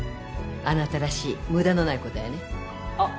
あなたらしい無駄のない答えねあっ